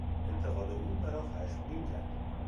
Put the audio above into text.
انتقاد او مرا خشمگین کرد.